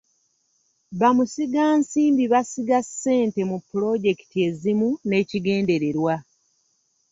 Bamusigansimbi basiga ssente mu pulojekiti ezimu n'ekigendererwa.